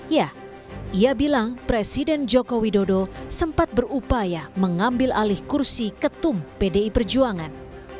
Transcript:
ya ia bilang presiden joko widodo sempat berupaya mengambil alih kursi ketum pdi perjuangan